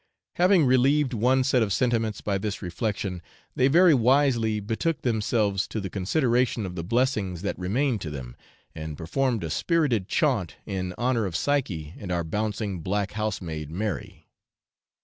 Having relieved one set of sentiments by this reflection, they very wisely betook themselves to the consideration of the blessings that remained to them, and performed a spirited chaunt in honour of Psyche and our bouncing black housemaid, Mary.